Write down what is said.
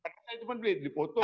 saya cuma beli dipotong